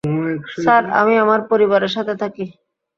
Sir, আমি আমার পরিবারের সাথে থাকি।